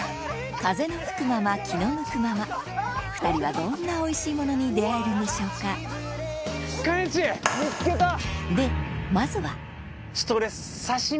風の吹くまま気の向くまま２人はどんなおいしいものに出合えるんでしょうかでまずはちょっと俺。